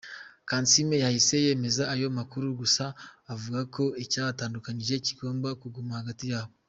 Kansiime yahise yemeza ayo makuru gusa avuga ko ‘icyabatandukanyije kigomba kuguma hagati yabo’.